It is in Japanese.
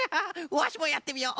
わしもやってみよう。